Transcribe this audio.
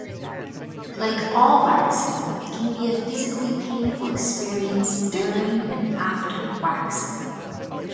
Like all waxing, it can be a physically painful experience during and after waxing.